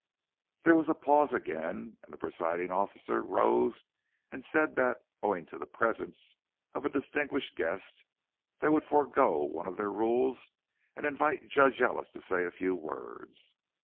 There was a pause again; and the presiding officer rose and said that, owing to the presence of a distinguished guest, they would forego one of their rules, and invite Judge Ellis to say a few words.